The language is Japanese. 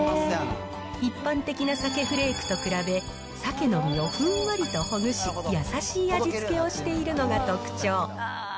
一般的なさけフレークと比べ、さけの身をふんわりとほぐし、優しい味付けをしているのが特長。